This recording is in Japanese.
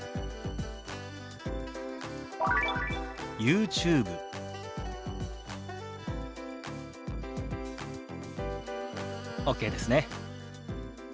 「ＹｏｕＴｕｂｅ」。ＯＫですね。